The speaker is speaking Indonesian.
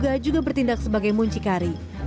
mbak aldira juga bertindak sebagai muncikari